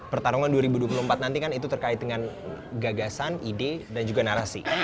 pertarungan dua ribu dua puluh empat nanti kan itu terkait dengan gagasan ide dan juga narasi